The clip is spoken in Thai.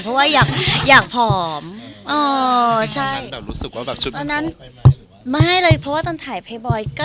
ไม่หรอกค่ะก็ปกติเนอะ